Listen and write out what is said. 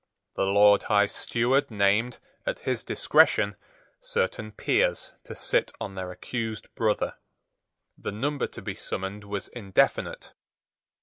The Lord High Steward named, at his discretion, certain peers to sit on their accused brother. The number to be summoned was indefinite.